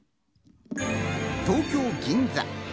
東京・銀座。